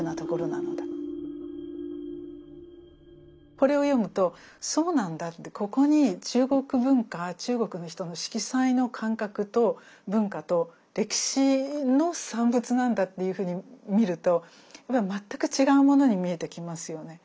これを読むと「そうなんだ」ってここに中国文化中国の人の色彩の感覚と文化と歴史の産物なんだというふうに見ると全く違うものに見えてきますよね。